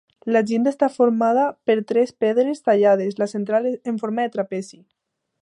La llinda està formada per tres pedres tallades, la central en forma de trapezi.